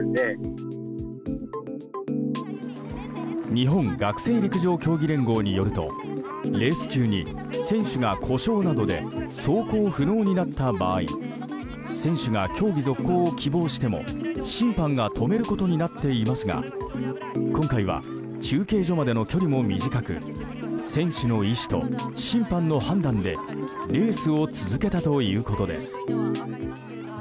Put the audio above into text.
日本学生陸上競技連合によるとレース中に選手が故障などで走行不能になった場合選手が競技続行を希望しても審判が止めることになっていますが今回は中継所までの距離も短く選手の意思と審判の判断でレースを続けたということです。